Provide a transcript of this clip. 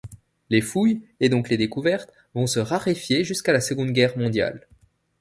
Les fouilles, et donc les découvertes, vont se raréfier jusqu'à la Seconde Guerre mondiale.